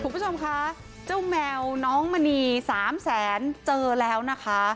คุณผู้ชมคะเจ้าแมวน้องมณีสามแสนเจอแล้วนะคะ